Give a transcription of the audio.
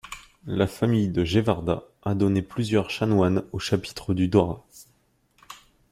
La famille de Gévardat a donné plusieurs chanoines au chapitre du Dorat.